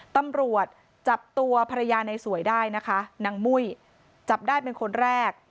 ตำรวจจับตัวภรรยาในสวยได้นะคะนางมุ้ยจับได้เป็นคนแรก